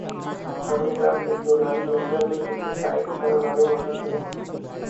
سامنے درخت اس نورانی منظر میں کسی سائے کی طرح معلوم ہوتے تھے